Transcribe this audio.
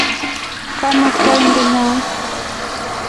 Kamukta-indennyo.